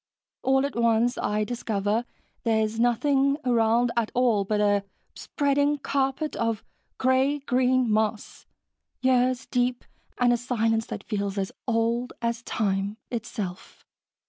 All at once, I discover there's nothing around at all but a spreading carpet of gray green moss, years deep, and a silence that feels as old as time itself.